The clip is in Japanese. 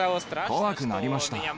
怖くなりました。